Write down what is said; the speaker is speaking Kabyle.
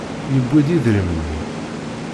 Yewwi-d idrimen-nni.